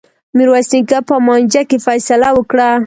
میرويس نیکه په مانجه کي فيصله وکړه.